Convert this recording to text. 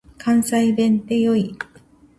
関西弁って良い。